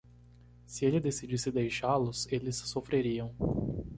Se ele decidisse deixá-los?, eles sofreriam.